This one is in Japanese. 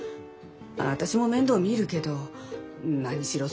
私も面倒見るけど何しろ